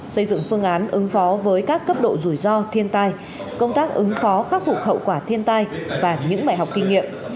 xây dựng phương án ứng phó với các cấp độ rủi ro thiên tai công tác ứng phó khắc phục hậu quả thiên tai và những bài học kinh nghiệm